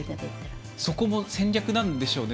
そこも戦略なんでしょうね。